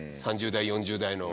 ３０代４０代の。